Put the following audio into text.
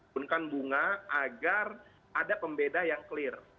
bunkan bunga agar ada pembeda yang clear